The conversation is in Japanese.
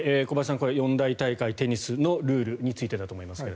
これ、四大大会のテニスのルールについてだと思いますが。